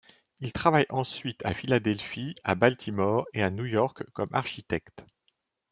Il travailla ensuite à Philadelphie, à Baltimore et à New York comme architecte.